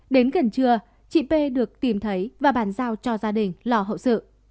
đến gần trưa chị pê được tìm thấy và bàn giao cho gia đình lò hậu sự